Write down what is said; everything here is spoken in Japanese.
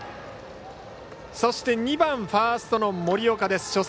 そして２番ファーストの森岡です。